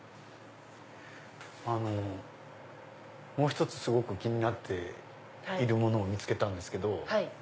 あのもう一つすごく気になるものを見つけたんです。